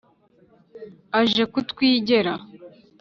Aje kutwigera,